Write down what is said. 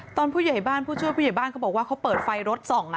ผู้ใหญ่บ้านผู้ช่วยผู้ใหญ่บ้านเขาบอกว่าเขาเปิดไฟรถส่อง